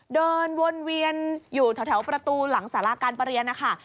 เดินวนเวียนอยู่แถวประตูหลังสาราการประเรียนนะคะ